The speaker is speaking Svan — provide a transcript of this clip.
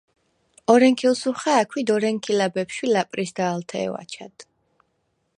ორენქი̄ლსუ ხა̄̈ქვ ი დორენქი̄ლა̈ ბეფშვ ლა̈პრისდა̄ლთე̄ვ აჩა̈დ.